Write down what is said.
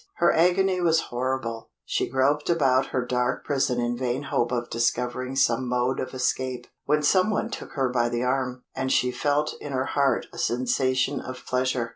Her agony was horrible; she groped about her dark prison in vain hope of discovering some mode of escape, when some one took her by the arm, and she felt in her heart a sensation of pleasure.